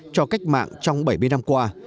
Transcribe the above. cho cách mạng trong bảy mươi năm qua